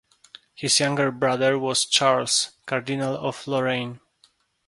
His younger brother was Charles, Cardinal of Lorraine.